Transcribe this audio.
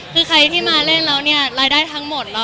คือใครที่มาเล่นแล้วเนี่ยรายได้ทั้งหมด